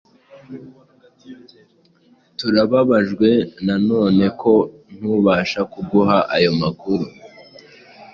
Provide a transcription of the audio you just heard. Turababajwe na none ko ntubasha kuguha ayo makuru.